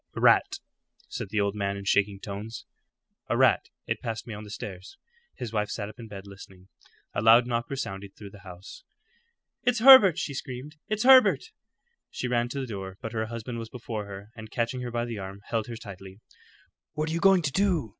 "A rat," said the old man in shaking tones "a rat. It passed me on the stairs." His wife sat up in bed listening. A loud knock resounded through the house. "It's Herbert!" she screamed. "It's Herbert!" She ran to the door, but her husband was before her, and catching her by the arm, held her tightly. "What are you going to do?"